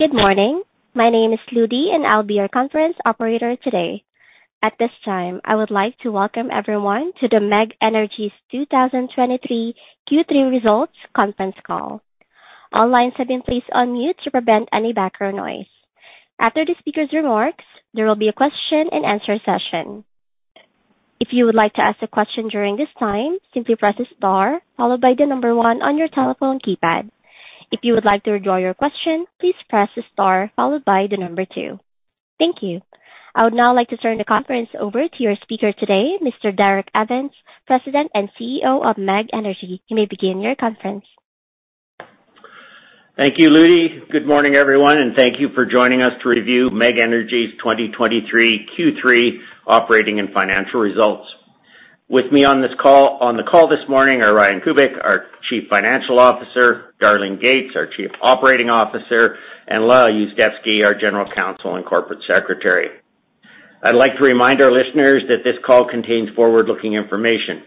Good morning. My name is Ludy, and I'll be your conference operator today. At this time, I would like to welcome everyone to the MEG Energy's 2023 Q3 Results Conference Call. All lines have been placed on mute to prevent any background noise. After the speaker's remarks, there will be a question and answer session. If you would like to ask a question during this time, simply press star followed by the number 1 on your telephone keypad. If you would like to withdraw your question, please press the star followed by the number 2. Thank you. I would now like to turn the conference over to your speaker today, Mr. Derek Evans, President and CEO of MEG Energy. You may begin your conference. Thank you, Ludy. Good morning, everyone, and thank you for joining us to review MEG Energy's 2023 Q3 operating and financial results. With me on the call this morning are Ryan Kubik, our Chief Financial Officer, Darlene Gates, our Chief Operating Officer, and Lyle Yuzdepski, our General Counsel and Corporate Secretary. I'd like to remind our listeners that this call contains forward-looking information.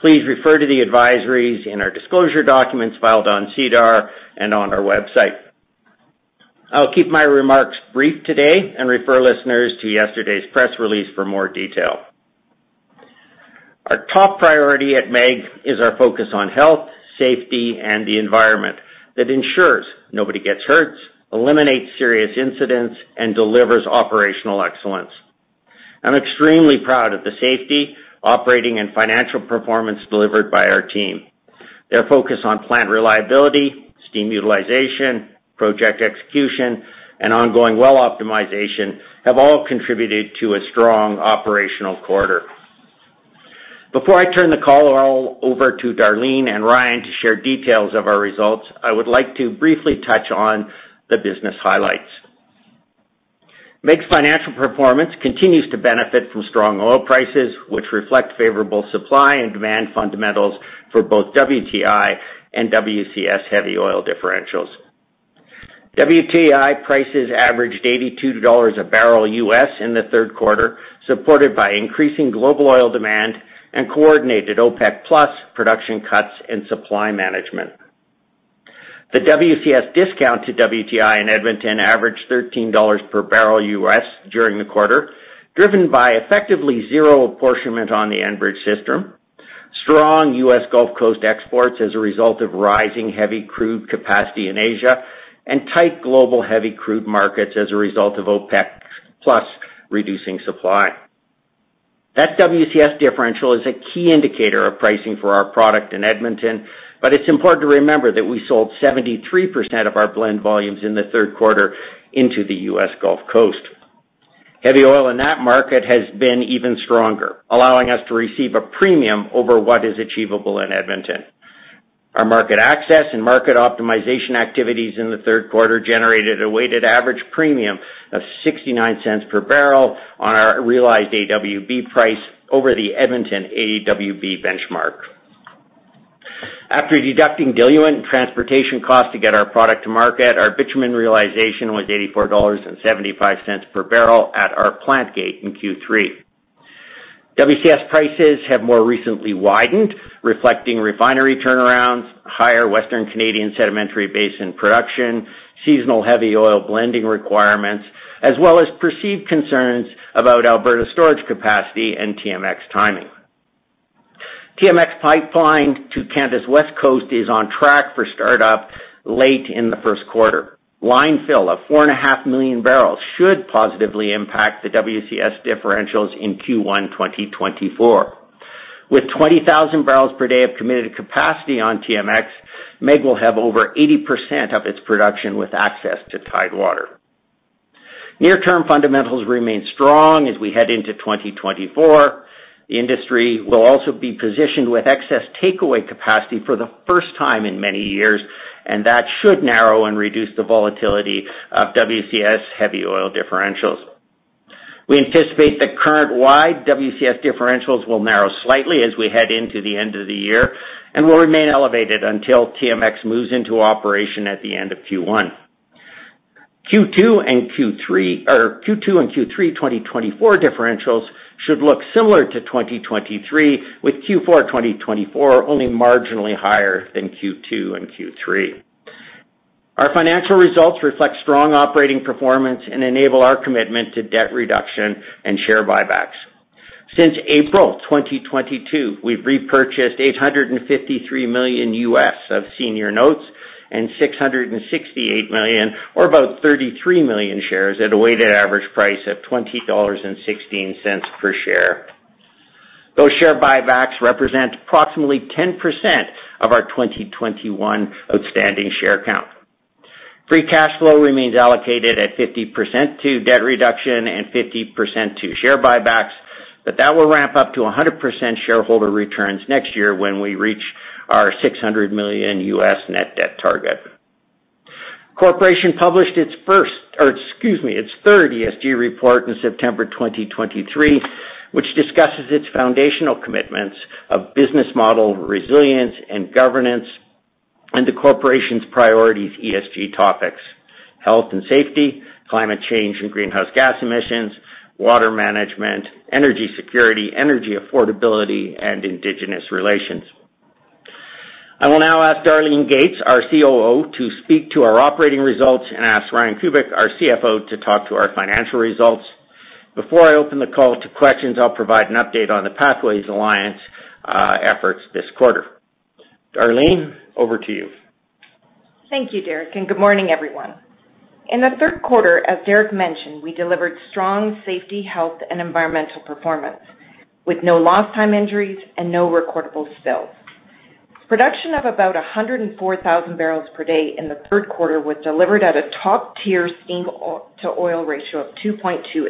Please refer to the advisories in our disclosure documents filed on SEDAR and on our website. I'll keep my remarks brief today and refer listeners to yesterday's press release for more detail. Our top priority at MEG is our focus on health, safety, and the environment that ensures nobody gets hurt, eliminates serious incidents, and delivers operational excellence. I'm extremely proud of the safety, operating, and financial performance delivered by our team. Their focus on plant reliability, steam utilization, project execution, and ongoing well optimization have all contributed to a strong operational quarter. Before I turn the call all over to Darlene and Ryan to share details of our results, I would like to briefly touch on the business highlights. MEG's financial performance continues to benefit from strong oil prices, which reflect favorable supply and demand fundamentals for both WTI and WCS heavy oil differentials. WTI prices averaged $82 a barrel in the third quarter, supported by increasing global oil demand and coordinated OPEC+ production cuts and supply management. The WCS discount to WTI in Edmonton averaged $13 per barrel during the quarter, driven by effectively zero apportionment on the Enbridge system, strong U.S. Gulf Coast exports as a result of rising heavy crude capacity in Asia, and tight global heavy crude markets as a result of OPEC+ reducing supply. That WCS differential is a key indicator of pricing for our product in Edmonton, but it's important to remember that we sold 73% of our blend volumes in the third quarter into the U.S. Gulf Coast. Heavy oil in that market has been even stronger, allowing us to receive a premium over what is achievable in Edmonton. Our market access and market optimization activities in the third quarter generated a weighted average premium of $0.69 per barrel on our realized AWB price over the Edmonton AWB benchmark. After deducting diluent and transportation costs to get our product to market, our bitumen realization was $84.75 per barrel at our plant gate in Q3. WCS prices have more recently widened, reflecting refinery turnarounds, higher Western Canadian Sedimentary Basin production, seasonal heavy oil blending requirements, as well as perceived concerns about Alberta storage capacity and TMX timing. TMX pipeline to Canada's West Coast is on track for startup late in the first quarter. Line fill of 4.5 million barrels should positively impact the WCS differentials in Q1 2024. With 20,000 barrels per day of committed capacity on TMX, MEG will have over 80% of its production with access to tidewater. Near-term fundamentals remain strong as we head into 2024. The industry will also be positioned with excess takeaway capacity for the first time in many years, and that should narrow and reduce the volatility of WCS heavy oil differentials. We anticipate the current wide WCS differentials will narrow slightly as we head into the end of the year and will remain elevated until TMX moves into operation at the end of Q1. Q2 and Q3, or Q2 and Q3 2024 differentials should look similar to 2023, with Q4 2024 only marginally higher than Q2 and Q3. Our financial results reflect strong operating performance and enable our commitment to debt reduction and share buybacks. Since April 2022, we've repurchased $853 million of senior notes and 668 million, or about 33 million shares, at a weighted average price of 20.16 dollars per share. Those share buybacks represent approximately 10% of our 2021 outstanding share count. Free cash flow remains allocated at 50% to debt reduction and 50% to share buybacks, but that will ramp up to 100% shareholder returns next year when we reach our $600 million U.S. net debt target. Corporation published its first, or excuse me, its third ESG report in September 2023, which discusses its foundational commitments of business model, resilience, and governance, and the corporation's priorities, ESG topics, health and safety, climate change and greenhouse gas emissions, water management, energy security, energy affordability, and indigenous relations. I will now ask Darlene Gates, our COO, to speak to our operating results, and ask Ryan Kubik, our CFO, to talk to our financial results. Before I open the call to questions, I'll provide an update on the Pathways Alliance efforts this quarter. Darlene, over to you. Thank you, Derek, and good morning, everyone. In the third quarter, as Derek mentioned, we delivered strong safety, health, and environmental performance, with no lost time injuries and no recordable spills. Production of about 104,000 barrels per day in the third quarter was delivered at a top-tier steam-to-oil ratio of 2.28,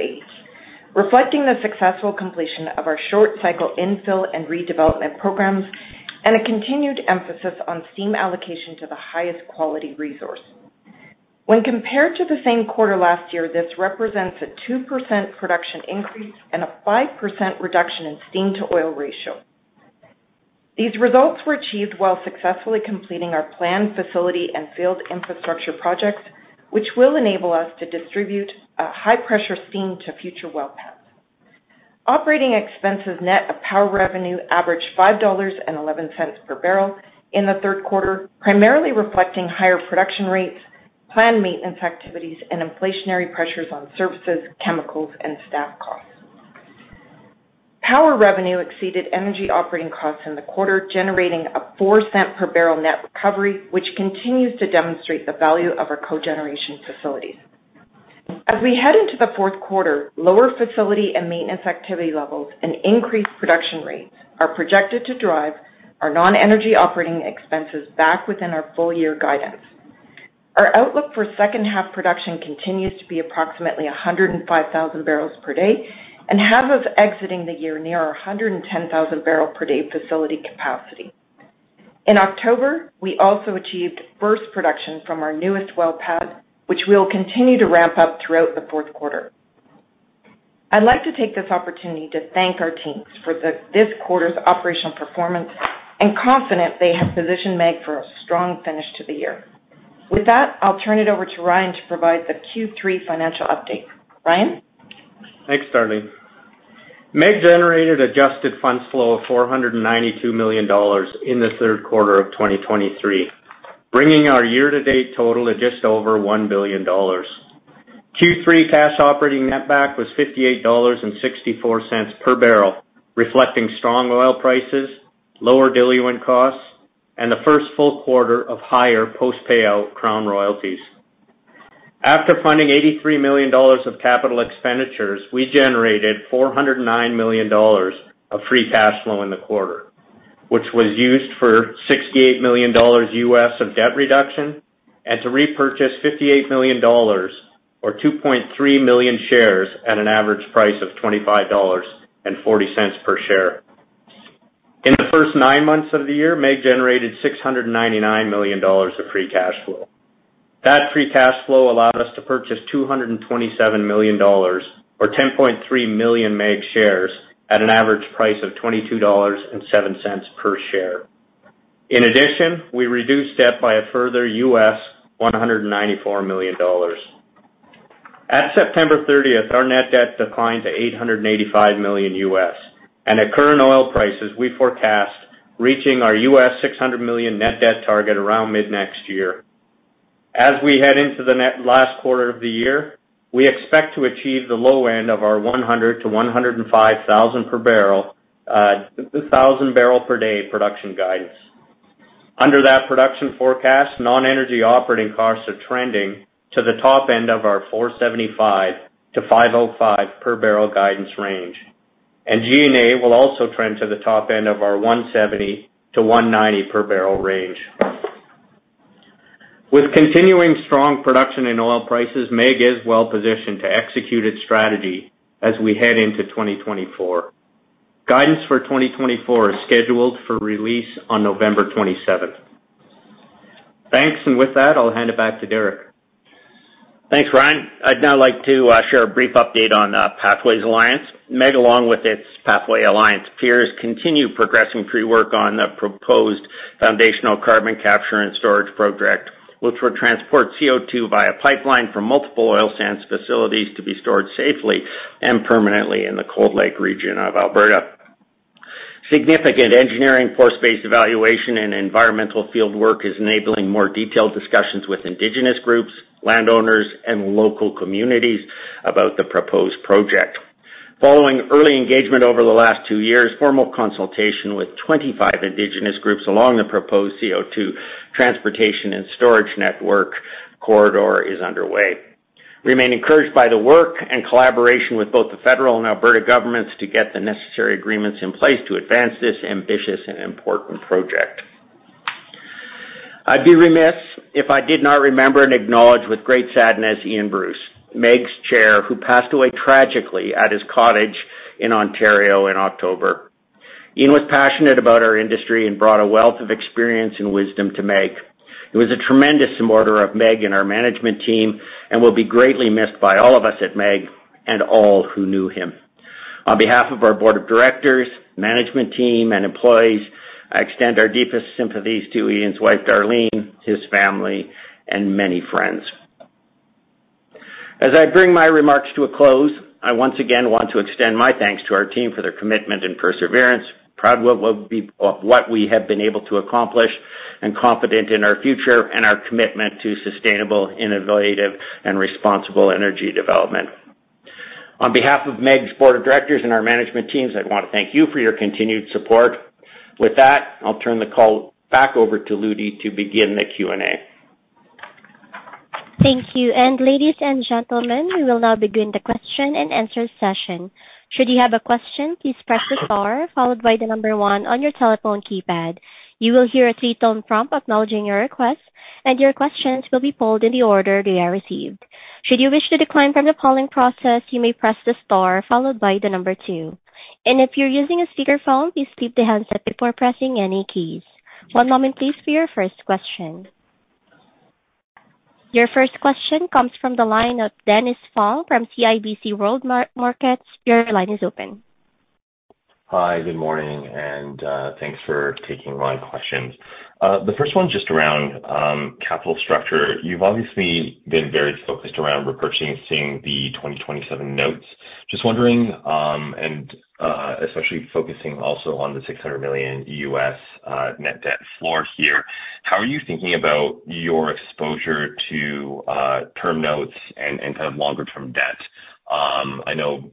reflecting the successful completion of our short-cycle infill and redevelopment programs and a continued emphasis on steam allocation to the highest quality resource. When compared to the same quarter last year, this represents a 2% production increase and a 5% reduction in steam-to-oil ratio. These results were achieved while successfully completing our planned facility and field infrastructure projects, which will enable us to distribute a high-pressure steam to future well pads. Operating expenses, net of power revenue, averaged $5.11 per barrel in the third quarter, primarily reflecting higher production rates, planned maintenance activities, and inflationary pressures on services, chemicals, and staff costs. Power revenue exceeded energy operating costs in the quarter, generating a $0.04 per barrel net recovery, which continues to demonstrate the value of our cogeneration facilities. As we head into the fourth quarter, lower facility and maintenance activity levels and increased production rates are projected to drive our non-energy operating expenses back within our full-year guidance. Our outlook for second-half production continues to be approximately 105,000 barrels per day, and have us exiting the year near our 110,000 barrel per day facility capacity. In October, we also achieved first production from our newest well pad, which we'll continue to ramp up throughout the fourth quarter. I'd like to take this opportunity to thank our teams for this quarter's operational performance, and confident they have positioned MEG for a strong finish to the year. With that, I'll turn it over to Ryan to provide the Q3 financial update. Ryan? Thanks, Darlene. MEG generated adjusted funds flow of 492 million dollars in the third quarter of 2023, bringing our year-to-date total to just over 1 billion dollars. Q3 cash operating netback was 58.64 dollars per barrel, reflecting strong oil prices, lower diluent costs, and the first full quarter of higher post-payout Crown royalties. After funding 83 million dollars of capital expenditures, we generated 409 million dollars of free cash flow in the quarter, which was used for $68 million of debt reduction and to repurchase 58 million dollars, or 2.3 million shares at an average price of 25.40 dollars per share. In the first nine months of the year, MEG generated 699 million dollars of free cash flow. That free cash flow allowed us to purchase $227 million, or 10.3 million MEG shares, at an average price of $22.07 per share. In addition, we reduced debt by a further $194 million. At September 30, our net debt declined to $885 million, and at current oil prices, we forecast reaching our $600 million net debt target around mid-next year. As we head into the last quarter of the year, we expect to achieve the low end of our 100-105 thousand barrels per day production guidance. Under that production forecast, non-energy operating costs are trending to the top end of our 475-505 per barrel guidance range, and G&A will also trend to the top end of our 170-190 per barrel range. With continuing strong production in oil prices, MEG is well positioned to execute its strategy as we head into 2024. Guidance for 2024 is scheduled for release on November 27th. Thanks, and with that, I'll hand it back to Derek. Thanks, Ryan. I'd now like to share a brief update on Pathways Alliance. MEG, along with its Pathways Alliance peers, continue progressing pre-work on the proposed foundational carbon capture and storage project, which will transport CO2 via pipeline from multiple oil sands facilities to be stored safely and permanently in the Cold Lake region of Alberta. Significant engineering, front-end evaluation, and environmental field work is enabling more detailed discussions with indigenous groups, landowners, and local communities about the proposed project. Following early engagement over the last two years, formal consultation with 25 indigenous groups along the proposed CO2 transportation and storage network corridor is underway. We remain encouraged by the work and collaboration with both the federal and Alberta governments to get the necessary agreements in place to advance this ambitious and important project. I'd be remiss if I did not remember and acknowledge with great sadness, Ian Bruce, MEG's Chair, who passed away tragically at his cottage in Ontario in October. Ian was passionate about our industry and brought a wealth of experience and wisdom to MEG. He was a tremendous supporter of MEG and our management team and will be greatly missed by all of us at MEG and all who knew him. On behalf of our Board of Directors, management team, and employees, I extend our deepest sympathies to Ian's wife, Darlene, his family, and many friends. As I bring my remarks to a close, I once again want to extend my thanks to our team for their commitment and perseverance. Proud what we, of what we have been able to accomplish and confident in our future and our commitment to sustainable, innovative, and responsible energy development. On behalf of MEG's board of directors and our management teams, I want to thank you for your continued support. With that, I'll turn the call back over to Ludy to begin the Q&A. Thank you. Ladies and gentlemen, we will now begin the question and answer session. Should you have a question, please press star followed by the number 1 on your telephone keypad. You will hear a 3-tone prompt acknowledging your request, and your questions will be pulled in the order they are received. Should you wish to decline from the polling process, you may press the star followed by the number 2. And if you're using a speakerphone, please keep the handset before pressing any keys. One moment please, for your first question. Your first question comes from the line of Dennis Fong from CIBC World Markets. Your line is open. Hi, good morning, and, thanks for taking my questions. The first one, just around, capital structure. You've obviously been very focused around repurchasing the 2027 notes. Just wondering, and, especially focusing also on the $600 million net debt floor here. How are you thinking about your exposure to, term notes and, and kind of longer-term debt? I know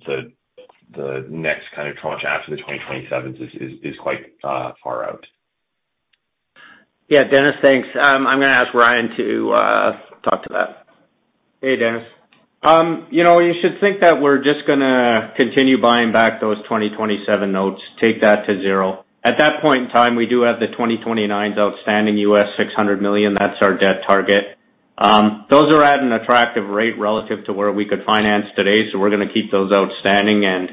the next kind of tranche after the 2027s is quite far out. Yeah, Dennis, thanks. I'm gonna ask Ryan to talk to that. Hey, Dennis. You know, you should think that we're just gonna continue buying back those 2027 notes, take that to zero. At that point in time, we do have the 2029s outstanding $600 million. That's our debt target. Those are at an attractive rate relative to where we could finance today, so we're gonna keep those outstanding, and,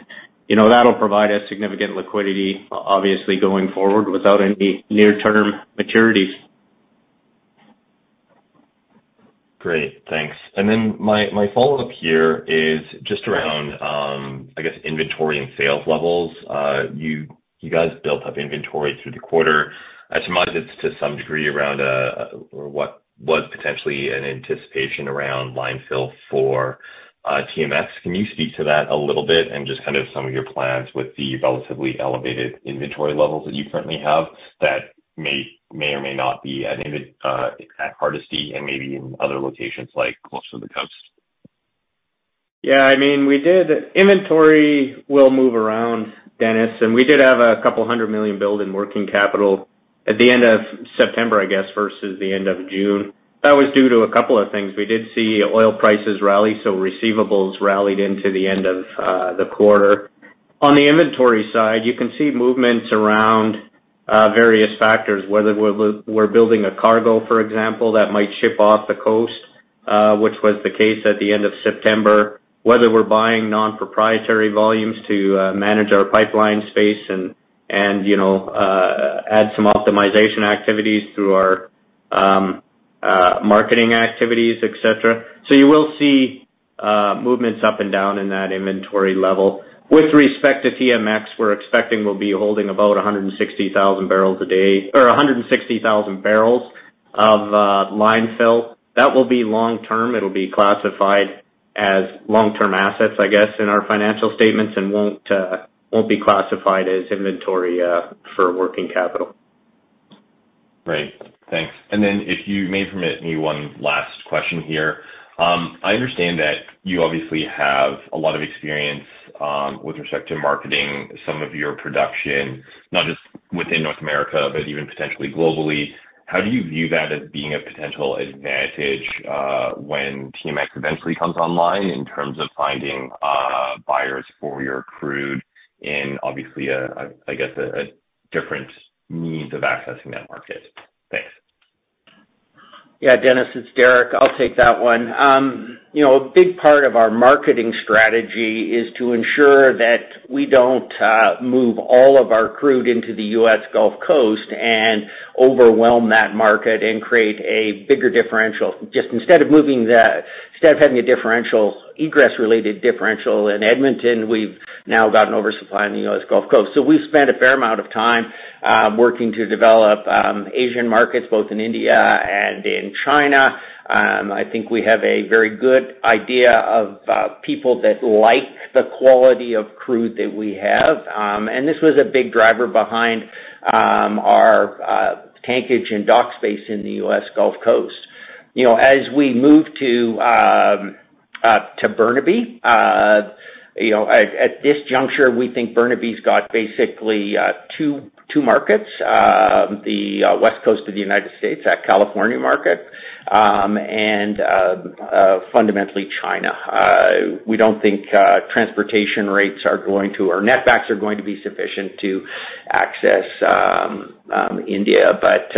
you know, that'll provide us significant liquidity, obviously, going forward without any near-term maturities. Great. Thanks. And then my follow-up here is just around, I guess, inventory and sales levels. You guys built up inventory through the quarter. I surmise it's to some degree around what was potentially an anticipation around line fill for TMX. Can you speak to that a little bit and just kind of some of your plans with the relatively elevated inventory levels that you currently have, that may or may not be in place at Hardisty and maybe in other locations like most of the coast? Yeah, I mean, we did. Inventory will move around, Dennis, and we did have a couple hundred million build in working capital at the end of September, I guess, versus the end of June. That was due to a couple of things. We did see oil prices rally, so receivables rallied into the end of the quarter. On the inventory side, you can see movements around various factors, whether we're building a cargo, for example, that might ship off the coast, which was the case at the end of September. Whether we're buying non-proprietary volumes to manage our pipeline space and you know add some optimization activities through our marketing activities, et cetera. So you will see movements up and down in that inventory level. With respect to TMX, we're expecting we'll be holding about 160,000 barrels a day, or 160,000 barrels of line fill. That will be long term. It'll be classified as long-term assets, I guess, in our financial statements, and won't won't be classified as inventory for working capital. Great. Thanks. And then if you may permit me one last question here. I understand that you obviously have a lot of experience with respect to marketing some of your production, not just within North America, but even potentially globally. How do you view that as being a potential advantage when TMX eventually comes online, in terms of finding buyers for your crude in obviously a, I guess, a different means of accessing that market? Thanks. Yeah, Dennis, it's Derek. I'll take that one. You know, a big part of our marketing strategy is to ensure that we don't move all of our crude into the US Gulf Coast and overwhelm that market and create a bigger differential. Just instead of moving the Instead of having a differential, egress-related differential in Edmonton, we've now got an oversupply in the US Gulf Coast. So we've spent a fair amount of time working to develop Asian markets, both in India and in China. I think we have a very good idea of people that like the quality of crude that we have. And this was a big driver behind our tankage and dock space in the US Gulf Coast. You know, as we move to Burnaby, you know, at this juncture, we think Burnaby's got basically two markets, the West Coast of the United States, that California market, and fundamentally China. We don't think transportation rates are going to, or netbacks are going to be sufficient to access India. But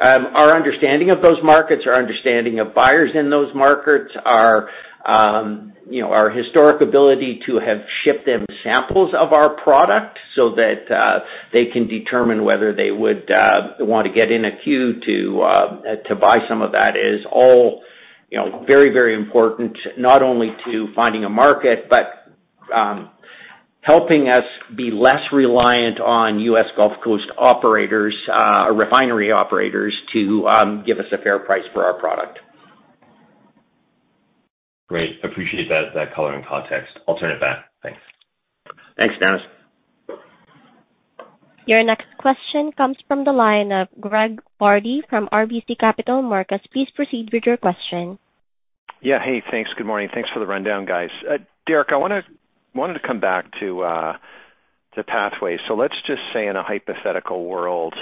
our understanding of those markets, our understanding of buyers in those markets are, you know, our historic ability to have shipped them samples of our product so that they can determine whether they would want to get in a queue to buy some of that is all, you know, very, very important. Not only to finding a market, but. Helping us be less reliant on US Gulf Coast operators, refinery operators to give us a fair price for our product. Great. Appreciate that, that color and context. I'll turn it back. Thanks. Thanks, Dennis. Your next question comes from the line of Greg Pardy from RBC Capital Markets. Greg, please proceed with your question. Yeah, hey, thanks. Good morning. Thanks for the rundown, guys. Derek, I wanted to come back to Pathways. So let's just say, in a hypothetical world,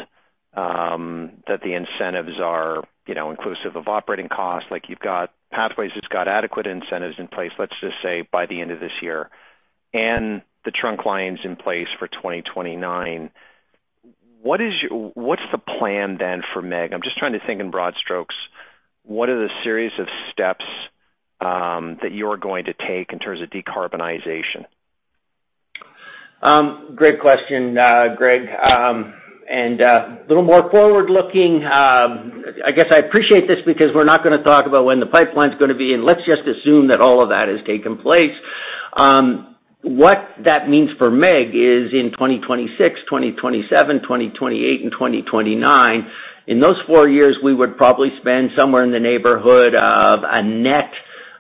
that the incentives are, you know, inclusive of operating costs, like you've got Pathways, it's got adequate incentives in place, let's just say, by the end of this year, and the trunk line's in place for 2029. What's the plan then for MEG? I'm just trying to think in broad strokes, what are the series of steps that you're going to take in terms of decarbonization? Great question, Greg. And a little more forward-looking, I guess I appreciate this because we're not gonna talk about when the pipeline's gonna be in. Let's just assume that all of that has taken place. What that means for MEG is in 2026, 2027, 2028 and 2029, in those four years, we would probably spend somewhere in the neighborhood of a net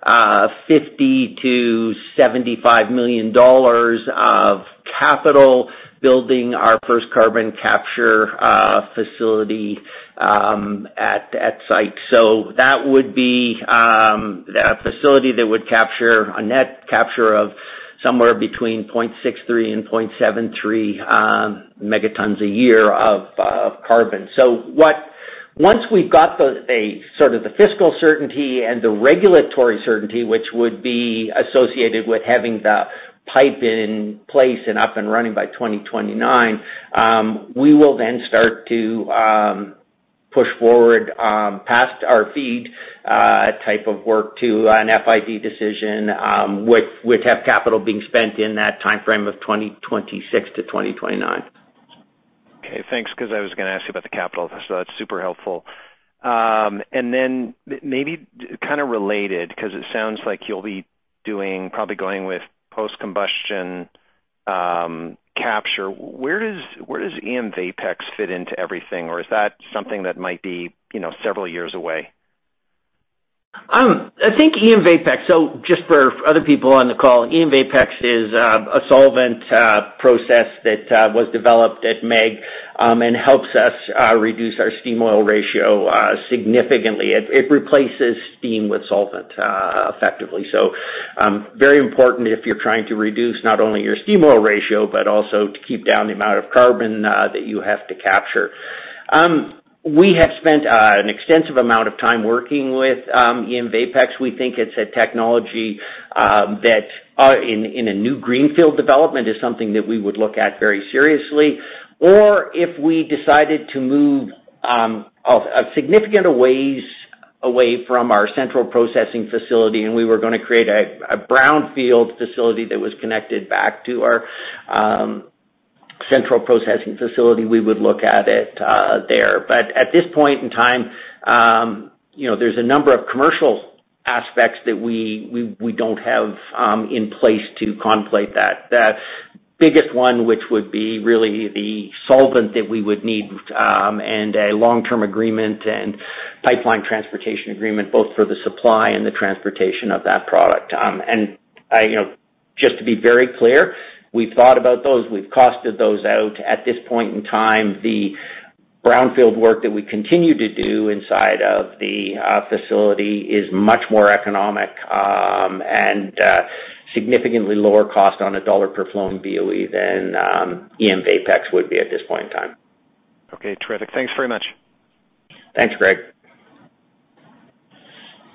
50-75 million dollars of capital, building our first carbon capture facility at site. So that would be a facility that would capture a net capture of somewhere between 0.63 and 0.73 megatons a year of carbon. Once we've got a sort of fiscal certainty and the regulatory certainty, which would be associated with having the pipe in place and up and running by 2029, we will then start to push forward past our FEED type of work to an FID decision, which have capital being spent in that timeframe of 2026-2029. Okay, thanks, cause I was gonna ask you about the capital. So that's super helpful. And then maybe kind of related, 'cause it sounds like you'll be doing, probably going with post-combustion capture. Where does eMVAPEX fit into everything? Or is that something that might be, you know, several years away? I think eMVAPEX... So just for other people on the call, eMVAPEX is a solvent process that was developed at MEG and helps us reduce our steam oil ratio significantly. It, it replaces steam with solvent effectively. So, very important if you're trying to reduce not only your steam oil ratio, but also to keep down the amount of carbon that you have to capture. We have spent an extensive amount of time working with eMVAPEX. We think it's a technology that in a new greenfield development is something that we would look at very seriously. Or if we decided to move a significant ways away from our central processing facility, and we were gonna create a brownfield facility that was connected back to our central processing facility, we would look at it there. But at this point in time, you know, there's a number of commercial aspects that we don't have in place to contemplate that. The biggest one, which would be really the solvent that we would need, and a long-term agreement and pipeline transportation agreement, both for the supply and the transportation of that product. And, you know, just to be very clear, we've thought about those. We've costed those out. At this point in time, the brownfield work that we continue to do inside of the facility is much more economic, and significantly lower cost on a dollar per flow BOE than eMVAPEX would be at this point in time. Okay, terrific. Thanks very much. Thanks, Greg.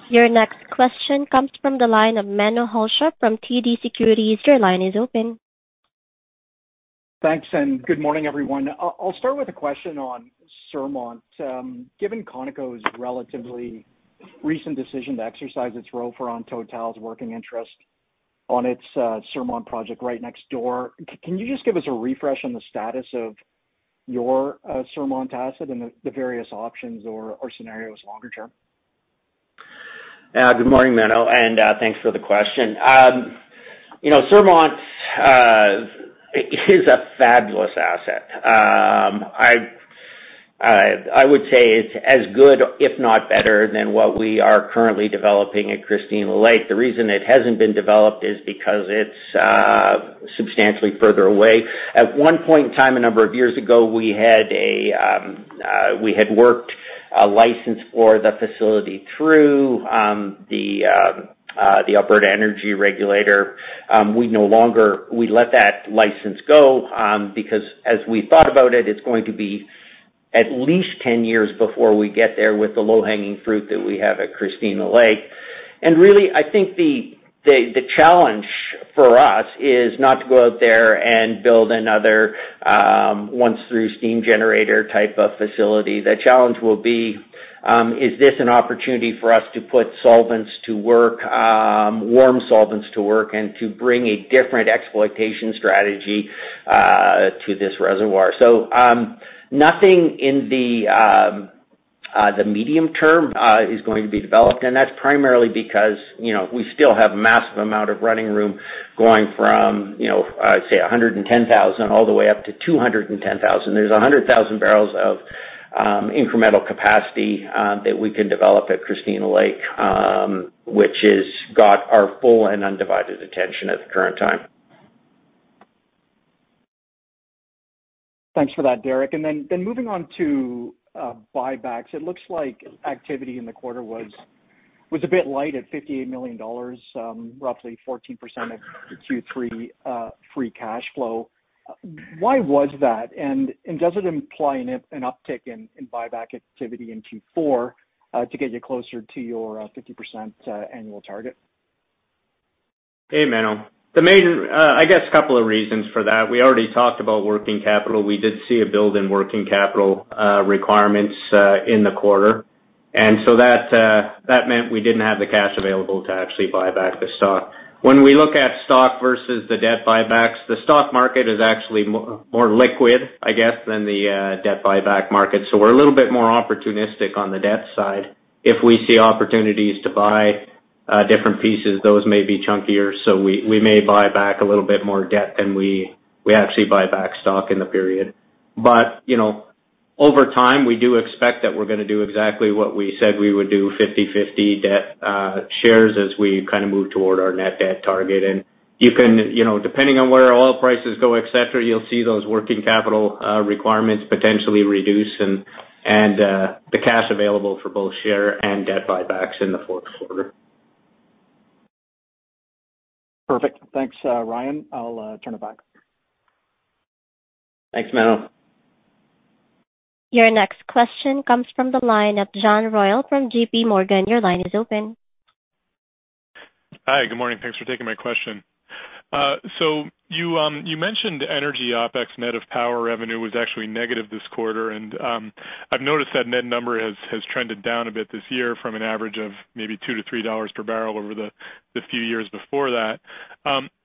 Your next question comes from the line of Menno Hulshof from TD Securities. Your line is open. Thanks, and good morning, everyone. I'll start with a question on Surmont. Given Conoco's relatively recent decision to exercise its ROFR on Total's working interest on its Surmont project right next door, can you just give us a refresh on the status of your Surmont asset and the various options or scenarios longer term? Good morning, Menno, and thanks for the question. You know, Surmont is a fabulous asset. I would say it's as good, if not better, than what we are currently developing at Christina Lake. The reason it hasn't been developed is because it's substantially further away. At one point in time, a number of years ago, we had worked a license for the facility through the Alberta Energy Regulator. We no longer. We let that license go, because as we thought about it, it's going to be at least 10 years before we get there with the low-hanging fruit that we have at Christina Lake. And really, I think the challenge for us is not to go out there and build another once-through steam generator type of facility. The challenge will be, is this an opportunity for us to put solvents to work, warm solvents to work, and to bring a different exploitation strategy, to this reservoir? So, nothing in the medium term is going to be developed, and that's primarily because, you know, we still have a massive amount of running room going from, you know, say, 110,000 all the way up to 210,000. There's 100,000 barrels of incremental capacity that we can develop at Christina Lake, which has got our full and undivided attention at the current time. Thanks for that, Derek. And then moving on to buybacks, it looks like activity in the quarter was a bit light at 58 million dollars, roughly 14% of the Q3 free cash flow. Why was that? And does it imply an uptick in buyback activity in Q4 to get you closer to your 50% annual target? Hey, Menno. The main, I guess a couple of reasons for that. We already talked about working capital. We did see a build in working capital requirements in the quarter. And so that meant we didn't have the cash available to actually buy back the stock. When we look at stock versus the debt buybacks, the stock market is actually more liquid, I guess, than the debt buyback market. So we're a little bit more opportunistic on the debt side. If we see opportunities to buy different pieces, those may be chunkier, so we may buy back a little bit more debt than we actually buy back stock in the period. But, you know, over time, we do expect that we're gonna do exactly what we said we would do, 50/50 debt, shares, as we kind of move toward our Net Debt target. And you can... You know, depending on where oil prices go, et cetera, you'll see those working capital, requirements potentially reduce and, and, the cash available for both share and debt buybacks in the fourth quarter. Perfect. Thanks, Ryan. I'll turn it back. Thanks, Menno. Your next question comes from the line of John Royall from J.P. Morgan. Your line is open. Hi, good morning. Thanks for taking my question. So you, you mentioned energy OpEx net of power revenue was actually negative this quarter, and, I've noticed that net number has, has trended down a bit this year from an average of maybe $2-$3 per barrel over the, the few years before that.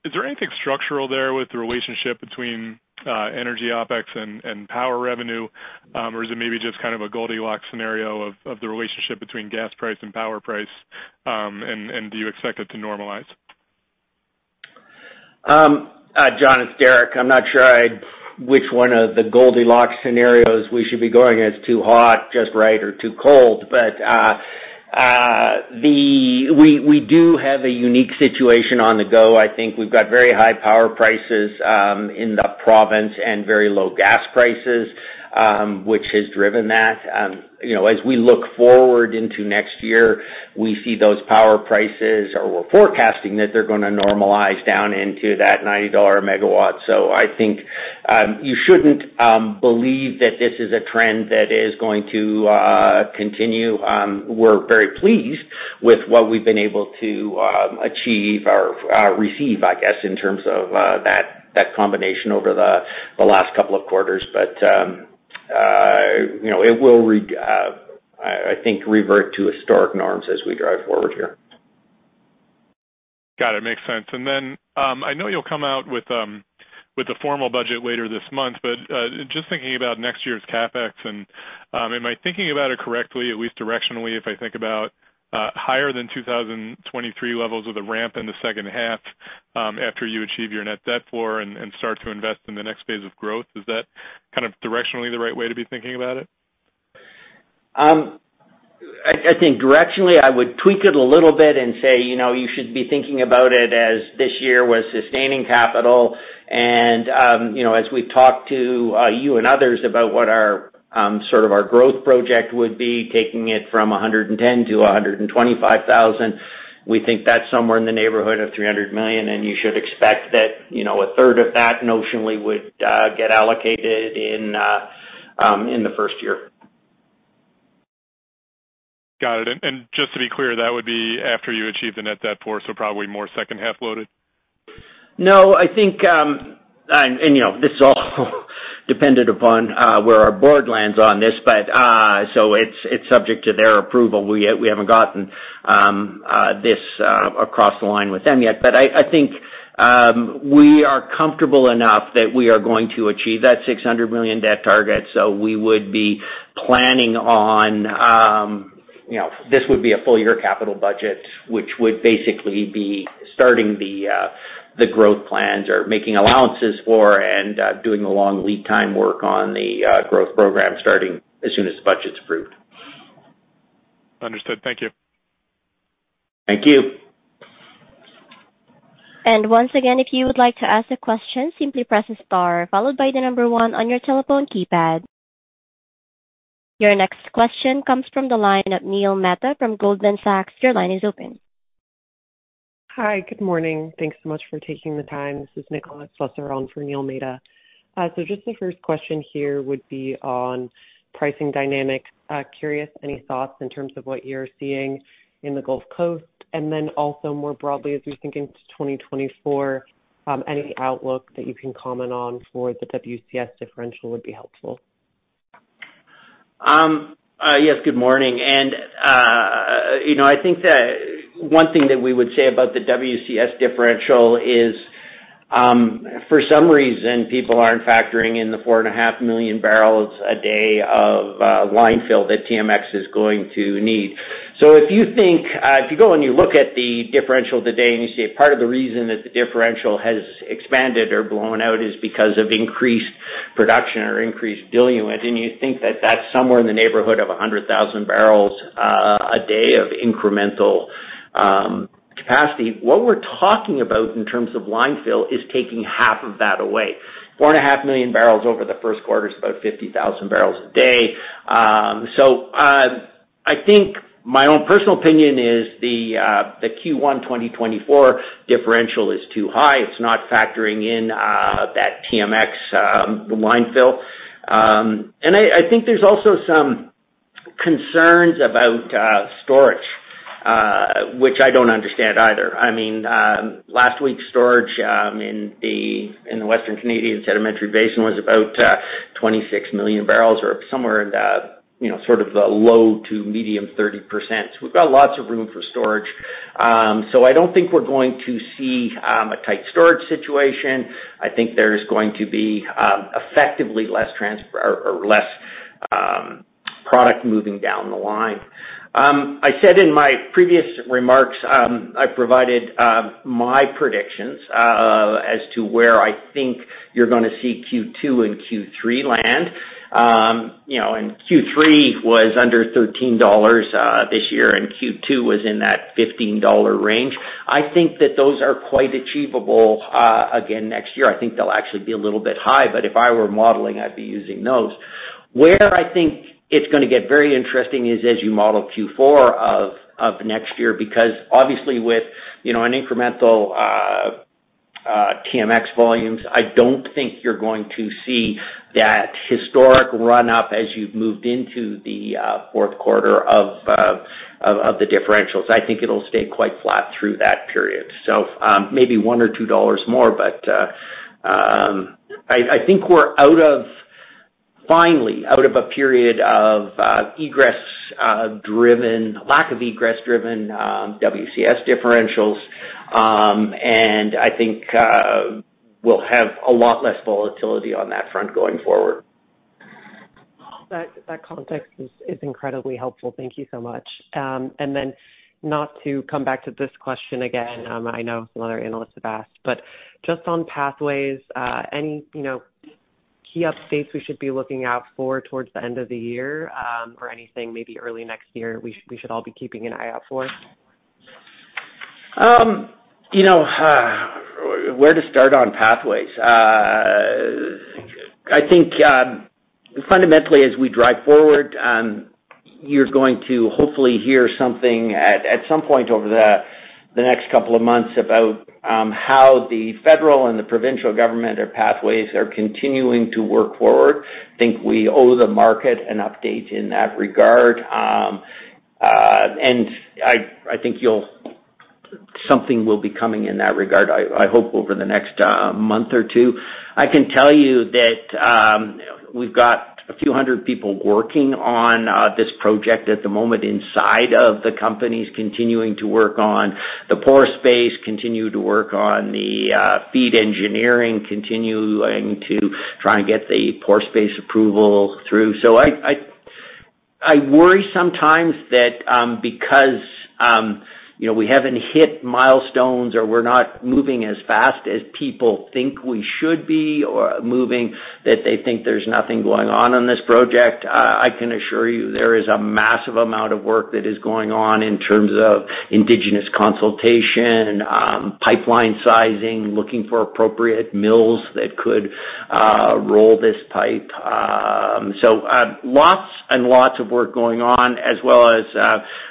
Is there anything structural there with the relationship between, energy OpEx and, and power revenue? Or is it maybe just kind of a Goldilocks scenario of, of the relationship between gas price and power price? Do you expect it to normalize? John, it's Derek. I'm not sure which one of the Goldilocks scenarios we should be going as too hot, just right, or too cold. But, we do have a unique situation on the go. I think we've got very high power prices in the province and very low gas prices, which has driven that. You know, as we look forward into next year, we see those power prices, or we're forecasting that they're gonna normalize down into that 90 dollar megawatt. So I think you shouldn't believe that this is a trend that is going to continue. We're very pleased with what we've been able to achieve or receive, I guess, in terms of that combination over the last couple of quarters. But, you know, it will revert to historic norms as we drive forward here. Got it. Makes sense. And then, I know you'll come out with a formal budget later this month, but, just thinking about next year's CapEx, and, am I thinking about it correctly, at least directionally, if I think about, higher than 2023 levels with a ramp in the second half, after you achieve your Net Debt floor and start to invest in the next phase of growth? Is that kind of directionally the right way to be thinking about it? I think directionally, I would tweak it a little bit and say, you know, you should be thinking about it as this year was sustaining capital. And, you know, as we've talked to you and others about what our sort of our growth project would be, taking it from 110,000 to 125,000, we think that's somewhere in the neighborhood of 300 million, and you should expect that, you know, a third of that notionally would get allocated in the first year. Got it. And just to be clear, that would be after you achieve the Net Debt floor, so probably more second half loaded? No, I think, and, you know, this is all dependent upon where our board lands on this, but so it's subject to their approval. We haven't gotten this across the line with them yet. But I think we are comfortable enough that we are going to achieve that 600 million debt target, so we would be planning on, you know, this would be a full year capital budget, which would basically be starting the growth plans or making allowances for and doing the long lead time work on the growth program, starting as soon as the budget's approved. Understood. Thank you. Thank you. And once again, if you would like to ask a question, simply press star, followed by the number 1 on your telephone keypad. Your next question comes from the line of Neil Mehta from Goldman Sachs. Your line is open. Hi, good morning. Thanks so much for taking the time. This is Nicolette Slusser on for Neil Mehta. So just the first question here would be on pricing dynamics. Curious, any thoughts in terms of what you're seeing in the Gulf Coast? And then also, more broadly, as we think into 2024, any outlook that you can comment on for the WCS differential would be helpful. Yes, good morning. You know, I think that one thing that we would say about the WCS differential is, for some reason, people aren't factoring in the 4.5 million barrels a day of line fill that TMX is going to need. So if you think, if you go and you look at the differential today, and you see a part of the reason that the differential has expanded or blown out is because of increased production or increased diluent, and you think that that's somewhere in the neighborhood of 100,000 barrels a day of incremental capacity. What we're talking about in terms of line fill is taking half of that away. 4.5 million barrels over the first quarter is about 50,000 barrels a day. I think my own personal opinion is the Q1 2024 differential is too high. It's not factoring in that TMX, the line fill. And I think there's also some concerns about storage, which I don't understand either. I mean, last week's storage in the Western Canadian Sedimentary Basin was about 26 million barrels or somewhere in the, you know, sort of the low to medium 30%. So we've got lots of room for storage. So I don't think we're going to see a tight storage situation. I think there's going to be effectively less transport, or less product moving down the line. I said in my previous remarks I provided my predictions as to where I think you're gonna see Q2 and Q3 land. You know, and Q3 was under $13 this year, and Q2 was in that $15 range. I think that those are quite achievable, again, next year. I think they'll actually be a little bit high, but if I were modeling, I'd be using those. Where I think it's gonna get very interesting is as you model Q4 of next year, because obviously with, you know, an incremental TMX volumes, I don't think you're going to see that historic run-up as you've moved into the fourth quarter of the differentials. I think it'll stay quite flat through that period. Maybe $1 or $2 more, but I think we're finally out of a period of lack of egress-driven WCS differentials, and I think we'll have a lot less volatility on that front going forward. That context is incredibly helpful. Thank you so much. And then not to come back to this question again, I know some other analysts have asked, but just on Pathways, any, you know, key updates we should be looking out for towards the end of the year, or anything maybe early next year, we should all be keeping an eye out for? You know, where to start on Pathways? I think, fundamentally, as we drive forward, you're going to hopefully hear something at some point over the next couple of months about how the federal and the provincial government, or Pathways, are continuing to work forward. I think we owe the market an update in that regard. And I think you'll, something will be coming in that regard. I hope over the next month or two. I can tell you that, we've got a few hundred people working on this project at the moment inside of the companies, continuing to work on the pore space, continue to work on the FEED engineering, continuing to try and get the pore space approval through. So I worry sometimes that, because, you know, we haven't hit milestones or we're not moving as fast as people think we should be or moving, that they think there's nothing going on on this project. I can assure you there is a massive amount of work that is going on in terms of indigenous consultation, pipeline sizing, looking for appropriate mills that could roll this pipe. So, lots and lots of work going on, as well as,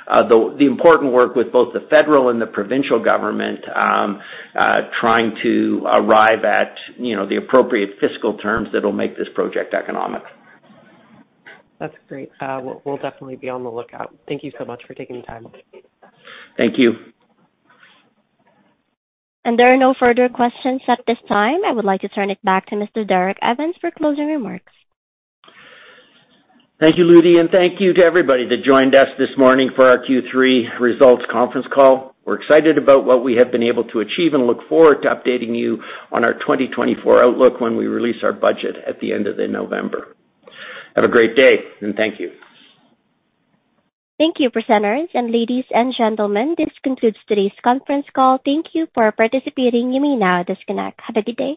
the important work with both the federal and the provincial government, trying to arrive at, you know, the appropriate fiscal terms that will make this project economic. That's great. We'll, we'll definitely be on the lookout. Thank you so much for taking the time. Thank you. There are no further questions at this time. I would like to turn it back to Mr. Derek Evans for closing remarks. Thank you, Ludy, and thank you to everybody that joined us this morning for our Q3 results conference call. We're excited about what we have been able to achieve and look forward to updating you on our 2024 outlook when we release our budget at the end of November. Have a great day, and thank you. Thank you, presenters, and ladies and gentlemen, this concludes today's conference call. Thank you for participating. You may now disconnect. Have a good day.